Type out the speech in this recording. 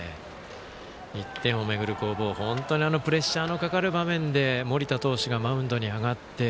１点を巡る攻防、本当にプレッシャーのかかる場面で盛田投手がマウンドに上がって。